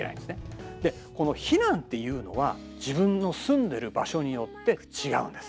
この避難っていうのは自分の住んでる場所によって違うんです。